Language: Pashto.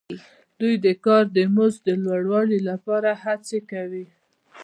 دوی د کار د مزد د لوړوالي لپاره هڅې کوي